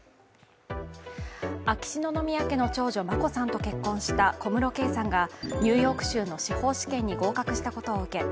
秋篠宮家の長女・眞子さんと結婚した小室圭さんがニューヨーク州の司法試験に合格したことを受け